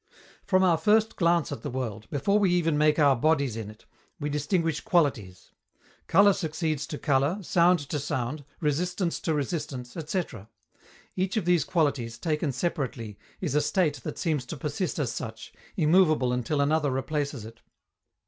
From our first glance at the world, before we even make our bodies in it, we distinguish qualities. Color succeeds to color, sound to sound, resistance to resistance, etc. Each of these qualities, taken separately, is a state that seems to persist as such, immovable until another replaces it.